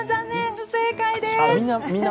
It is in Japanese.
不正解です。